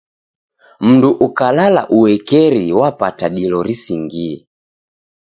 Mndu ukalala uekeri wapata dilo risingie.